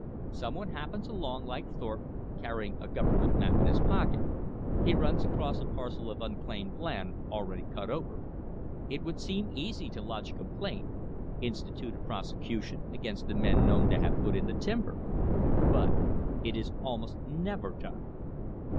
Someone happens along, like Thorpe, carrying a Government map in his pocket. He runs across a parcel of unclaimed land already cut over. It would seem easy to lodge a complaint, institute a prosecution against the men known to have put in the timber. BUT IT IS ALMOST NEVER DONE.